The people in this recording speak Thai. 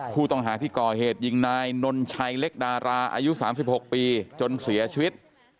ผู้ต้องหาที่ก่อเหตุยิงนายนนชัยเล็กดาราอายุ๓๖ปีจนเสียชีวิต